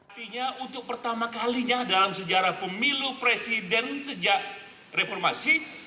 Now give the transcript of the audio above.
artinya untuk pertama kalinya dalam sejarah pemilu presiden sejak reformasi